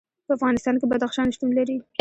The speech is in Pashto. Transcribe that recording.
په افغانستان کې بدخشان شتون لري.